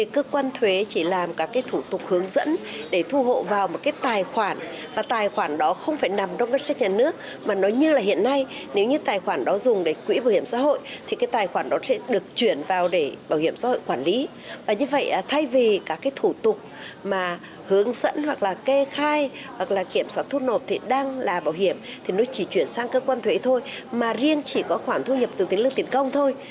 cơ quan thuế chỉ chuyển sang cơ quan thuế thôi mà riêng chỉ có khoản thu nhập từ tính lương tiền công thôi